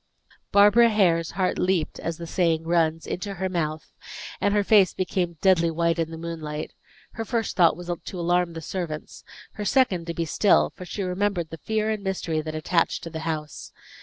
Barbara Hare's heart leaped, as the saying runs, into her mouth, and her face became deadly white in the moonlight. Her first thought was to alarm the servants; her second, to be still; for she remembered the fear and mystery that attached to the house.